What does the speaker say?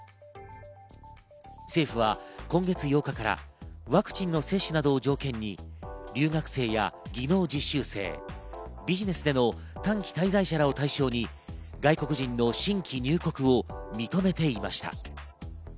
政府は今月８日からワクチンの接種などを条件に留学生や技能実習生、ビジネスでの短期滞在者らを対象に外国人の新規入国を認めていました。